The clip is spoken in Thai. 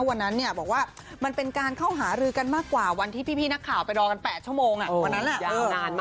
วันนั้นเนี่ยบอกว่ามันเป็นการเข้าหารือกันมากกว่าวันที่พี่นักข่าวไปรอกัน๘ชั่วโมงวันนั้น